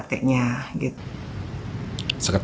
sekarang kita akan mencari penentuan ukt